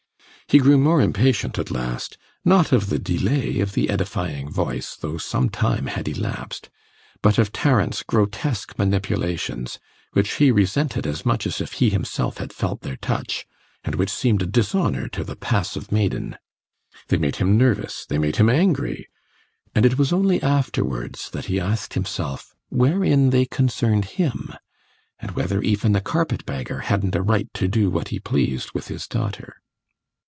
He grew more impatient at last, not of the delay of the edifying voice (though some time had elapsed), but of Tarrant's grotesque manipulations, which he resented as much as if he himself had felt their touch, and which seemed a dishonour to the passive maiden. They made him nervous, they made him angry, and it was only afterwards that he asked himself wherein they concerned him, and whether even a carpet bagger hadn't a right to do what he pleased with his daughter.